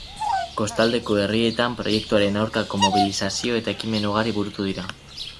Kostaldeko herrietan proiektuaren aurkako mobilizazio eta ekimen ugari burutu dira.